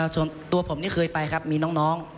ส่วนตัวผมนี่เคยไปครับมีน้อง